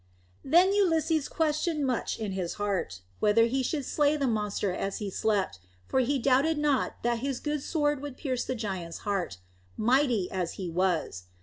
Then Ulysses questioned much in his heart whether he should slay the monster as he slept, for he doubted not that his good sword would pierce to the giant's heart, mighty as he was.